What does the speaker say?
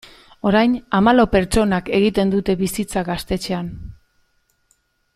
Orain hamalau pertsonak egiten dute bizitza gaztetxean.